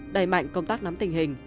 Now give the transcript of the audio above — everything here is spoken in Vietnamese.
đầy mạnh công tác nắm tình hình